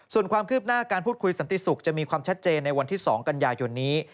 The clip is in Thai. ส่วนความคืบหน้าการพูดคุยสันติศุกร์จะมีความชัดเจนในวันที่๒กันยายนนี้